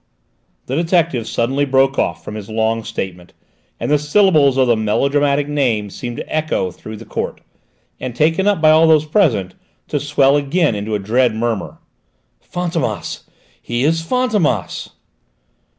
The detective suddenly broke off from his long statement, and the syllables of the melodramatic name seemed to echo through the court, and, taken up by all those present, to swell again into a dread murmur. "Fantômas! He is Fantômas!"